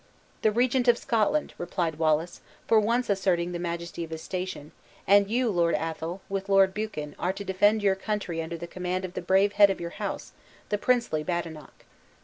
"The Regent of Scotland," replied Wallace, for once asserting the majesty of his station, "and you, Lord Athol, with the Lord Buchan, are to defend your country under the command of the brave head of your house, the princely Badenoch."